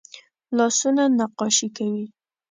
لاسونه نقاشي کوي